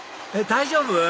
大丈夫？